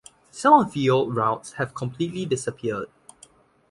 Some of the old routes have completely disappeared.